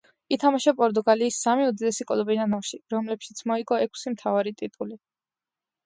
ითამაშა პორტუგალიის სამი უდიდესი კლუბიდან ორში, რომლებშიც მოიგო ექვსი მთავარი ტიტული.